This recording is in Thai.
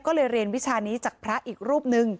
ก็เลยเรียนวิชานี้จากพระอีกรูปนึง